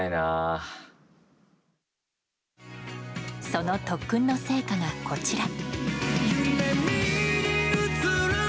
その特訓の成果が、こちら。